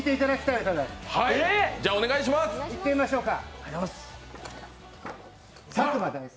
いってみましょうか。